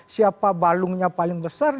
siapa balungnya paling besar